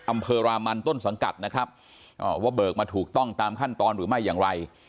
อำเภอรามันต้นสังกัดนะครับว่าเบิกมาถูกต้องตามขั้นตอนหรือไม่อย่างไร